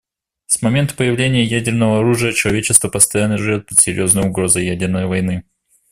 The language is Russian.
С момента появления ядерного оружия человечество постоянно живет под серьезной угрозой ядерной войны.